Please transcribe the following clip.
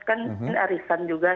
kan ini arisan juga